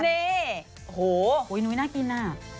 เน่โหนู้น้างินน่ะ